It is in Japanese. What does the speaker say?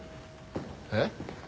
えっ？